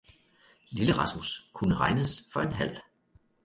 lille Rasmus kunne regnes for en halv.